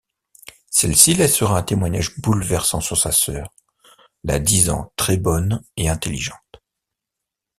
Celle-ci laissera un témoignage bouleversant sur sa sœur, la disant très bonne et intelligente.